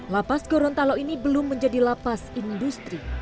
lapas gorontalo ini belum menjadi lapas industri